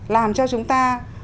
làm cho chúng ta